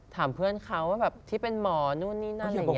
ถามเพื่อนเขาว่าแบบที่เป็นหมอนู่นนี่นั่นอะไรอย่างนี้